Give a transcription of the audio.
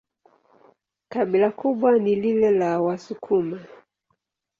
Kabila kubwa ni lile la Wasukuma.